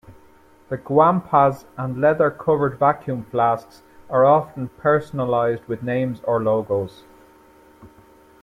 The guampas and leather-covered vacuum flasks are often personalized with names or logos.